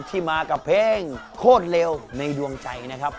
ที่มากับเพลงโคตรเร็วในดวงใจนะครับ